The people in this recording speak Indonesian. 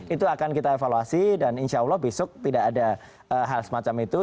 itu akan kita evaluasi dan insya allah besok tidak ada hal semacam itu